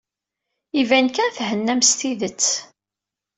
Iban kan thennam s tidet.